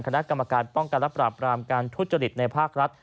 คณะกรรมการป้องกันและปราบรามการทุจริตในภาครัฐ